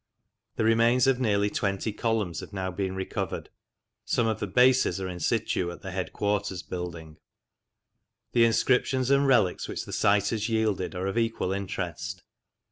The remains of nearly twenty columns have now been recovered. Some of the bases are in situ in the headquarters building. The inscriptions and relics which the site has yielded are of equal interest.